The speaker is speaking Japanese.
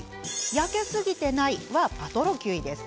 「焼けすぎてない」はパ・トロ・キュイです。